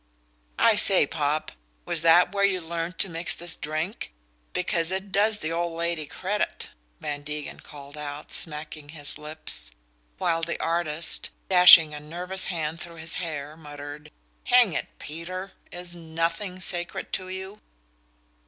"I say, Popp was that where you learned to mix this drink? Because it does the old lady credit," Van Degen called out, smacking his lips; while the artist, dashing a nervous hand through his hair, muttered: "Hang it, Peter is NOTHING sacred to you?"